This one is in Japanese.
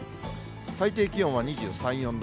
最低気温は２３、４度。